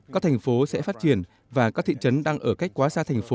các thành phố sẽ phát triển và các thị trấn đang ở cách quá xa thành phố